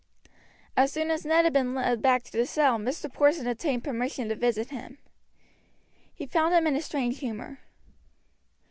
As soon as Ned had been led back to the cell Mr. Porson obtained permission to visit him. He found him in a strange humor.